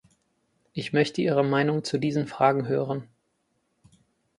Ich möchte Ihre Meinung zu diesen Fragen hören.